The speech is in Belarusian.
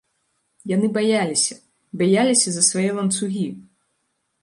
Яны баяліся, баяліся за свае ланцугі.